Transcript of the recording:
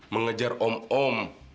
mengejar om om